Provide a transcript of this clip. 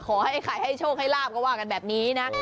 ขอให้ใครให้โชคให้ลาบก็ว่ากันแบบนี้นะ